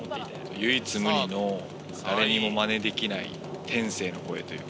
唯一無二の誰にもまねできない天性の声というか。